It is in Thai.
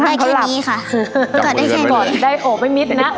ต้องกอดคุณยายไว้